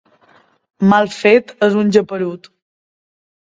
Mal fet és un geperut.